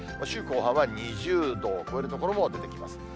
週後半は２０度を超える所も出てきます。